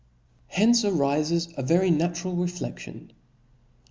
Hence arifes a very natural reflexion.